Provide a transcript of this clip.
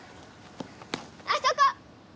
あそこ！